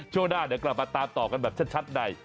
ช่วงหน้าเดี๋ยวกลับมาตามต่อกันแบบชัดใน